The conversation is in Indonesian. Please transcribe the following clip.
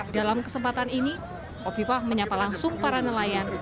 dalam kesempatan ini kofifah menyapa langsung para nelayan